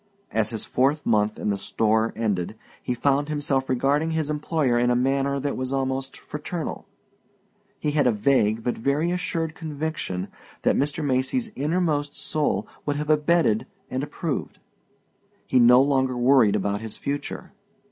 As his fourth month in the store ended he found himself regarding his employer in a manner that was almost fraternal. He had a vague but very assured conviction that Mr. Macy's innermost soul would have abetted and approved. He no longer worried about his future.